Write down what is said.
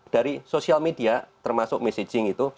dari sosial media termasuk messaging itu